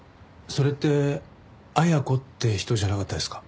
それってアヤコって人じゃなかったですか？